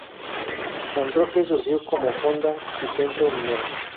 San Roque surgió como fonda y centro minero.